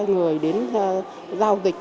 người đến giao dịch